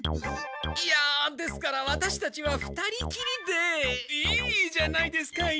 いやですからワタシたちは２人きりで。いいじゃないですかいらしても。